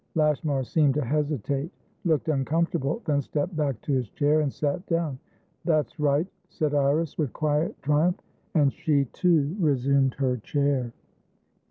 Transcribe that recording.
Lashmar seemed to hesitate, looked uncomfortable, then stepped back to his chair and sat down. "That's right;" said Iris, with quiet triumph. And she, too, resumed her chair.